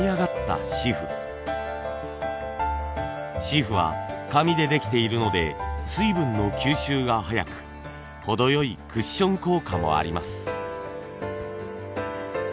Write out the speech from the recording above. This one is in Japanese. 紙布は紙でできているので水分の吸収が早く程よいクッション効果もあります。